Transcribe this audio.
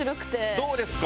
どうですか？